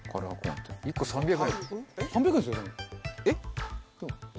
えっ？